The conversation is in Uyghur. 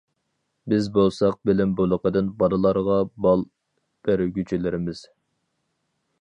بىز بولساق بىلىم بۇلىقىدىن بالىلارغا بال بەرگۈچىلەرمىز.